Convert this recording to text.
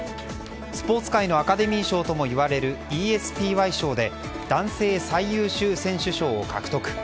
スポーツ界のアカデミー賞ともいわれるＥＳＰＹ賞で男性最優秀選手賞を獲得。